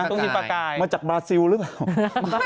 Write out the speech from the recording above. ใช่ลูกชิ้นปลากายมาจากบาซิลหรือเปล่า